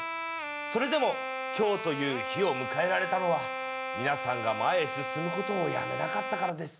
それでも今日という日を迎えられたのは皆さんが前へ進むことをやめなかったからです。